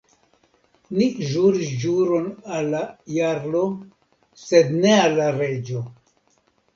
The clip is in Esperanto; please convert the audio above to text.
Ni ĵuris ĵuron al la jarlo, sed ne al la reĝo.